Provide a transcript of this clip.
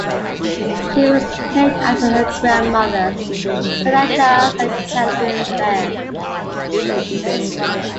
She was named after her grandmothers, Zeta Jones and Catherine Fair.